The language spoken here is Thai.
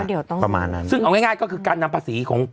เดี๋ยวต้องประมาณนั้นซึ่งเอาง่ายก็คือการนำภาษีของ